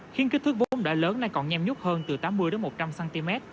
khiến kích thước vốn đã lớn nay còn nhem nhút hơn từ tám mươi một trăm linh cm